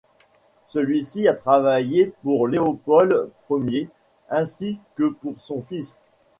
Celui-ci a travaillé pour Léopold Ier ainsi que pour son fils.